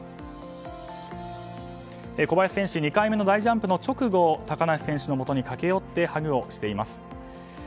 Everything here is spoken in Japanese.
小林選手は２回目の大ジャンプの直後高梨選手のもとに駆け寄ってハグをしています。